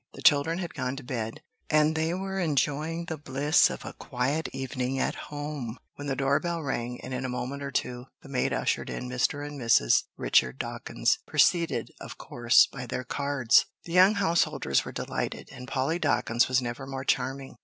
The children had gone to bed, and they were enjoying the bliss of a quiet evening at home, when the door bell rang, and in a moment or two the maid ushered in Mr. and Mrs. Richard Dawkins, preceded, of course, by their cards. The young householders were delighted, and Polly Dawkins was never more charming.